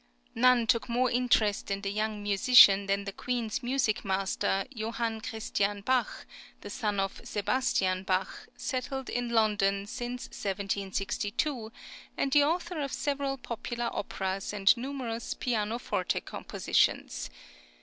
None took more interest in the young musician than the Queen's music master, Joh. Christian Bach,[20030] the son of Sebastian Bach, settled in London since 1762, and the author of several popular operas and numerous pianoforte compositions.